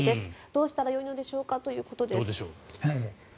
どうしたらよいのでしょうか？ということです。